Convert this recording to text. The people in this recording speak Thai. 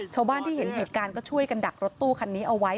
ชาวบ้านที่เห็นเหตุการณ์ก็ช่วยกันดักรถตู้คันนี้เอาไว้